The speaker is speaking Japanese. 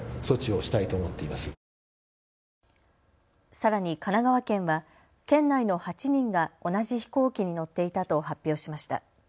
さらに神奈川県は県内の８人が同じ飛行機に乗っていたと発表しました。